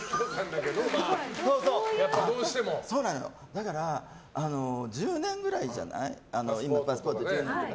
だから、１０年くらいじゃない今、パスポート。